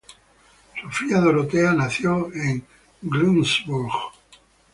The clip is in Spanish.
Sofía Dorotea nació en Glücksburg.